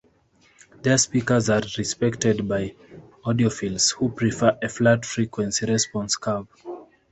Their speakers are respected by audiophiles who prefer a flat frequency response curve.